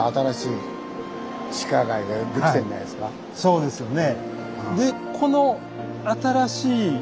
そうですよね。